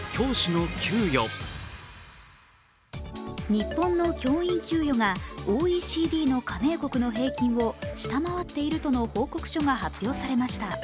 日本の教員給与がＯＥＣＤの加盟国の平均を下回っているとの報告書が発表されました。